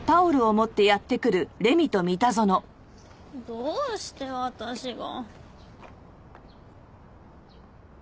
どうして私が。